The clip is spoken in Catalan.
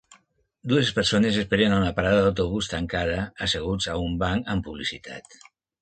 Dues persones esperen a una parada d'autobús tancada asseguts a un banc amb publicitat.